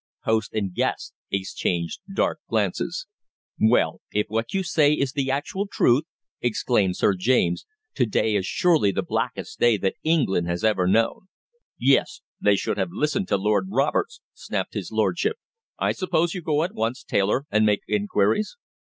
Host and guest exchanged dark glances. "Well, if what you say is the actual truth," exclaimed Sir James, "to day is surely the blackest day that England has ever known." "Yes, they should have listened to Lord Roberts," snapped his lordship. "I suppose you'll go at once, Taylor, and make inquiries?"